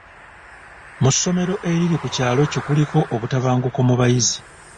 Mu ssomero eriri ku kyalo kyo kuliko obutabanguko mu bayizi.